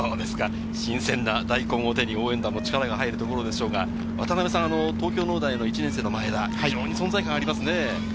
新鮮な大根を手に、応援団も力が入るところでしょうが、東京農大の１年生の前田、ありますね。